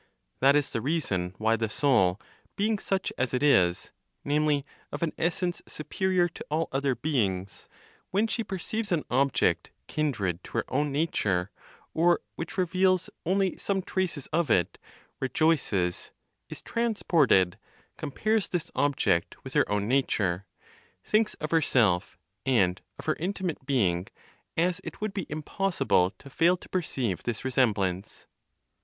That is the reason why the soul, being such as it is, namely, of an essence superior to all other beings, when she perceives an object kindred to her own nature, or which reveals only some traces of it, rejoices, is transported, compares this object with her own nature, thinks of herself, and of her intimate being as it would be impossible to fail to perceive this resemblance.